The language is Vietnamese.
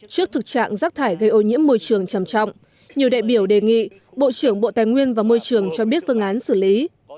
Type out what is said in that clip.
trước thực trạng rác thải gây ô nhiễm môi trường trầm trọng nhiều đại biểu đề nghị bộ trưởng bộ tài nguyên và môi trường cho biết phương án xử lý